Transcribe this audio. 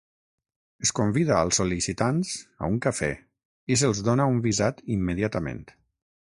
Es convida als sol·licitants a un cafè i se'ls dona un visat immediatament.